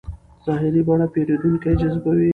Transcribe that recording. ظاهري بڼه پیرودونکی جذبوي.